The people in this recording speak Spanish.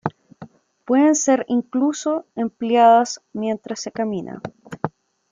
Pueden ser incluso empleadas mientras se camina.